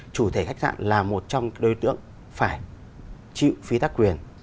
chủ thể khách sạn là một trong đối tượng phải chịu phí tác quyền